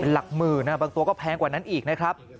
หลักหมื่นบางตัวก็แพงกว่านั้นอีกนะครับ